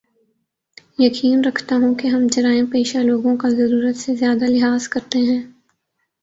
یقین رکھتا ہوں کے ہم جرائم پیشہ لوگوں کا ضرورت سے زیادہ لحاظ کرتے ہیں